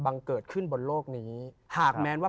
พระพุทธพิบูรณ์ท่านาภิรม